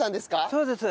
そうです。